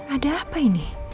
ada apa ini